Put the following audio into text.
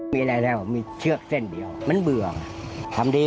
มีอะไรไม่ว่ามีเชือกเส้นเดียวมันเบือกมาไม่ได้ดีอะ